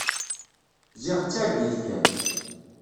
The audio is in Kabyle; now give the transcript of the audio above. Ziɣ d targit kan.